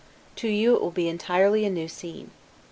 To you it will be entirely a new scene.